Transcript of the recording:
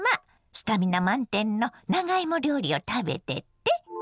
スタミナ満点の長芋料理を食べてって。